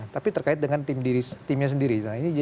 tapi terkait dengan timnya sendiri